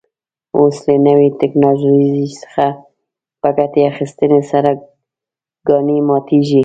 اوس له نوې تکنالوژۍ څخه په ګټې اخیستنې سره کاڼي ماتېږي.